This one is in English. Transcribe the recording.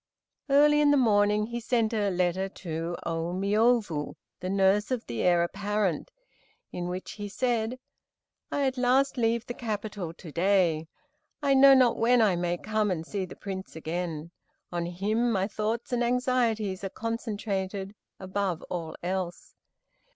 Early in the morning he sent a letter to Ô Miôbu, the nurse of the Heir apparent, in which he said: "I at last leave the capital, to day. I know not when I may come and see the Prince again. On him my thoughts and anxieties are concentrated, above all else.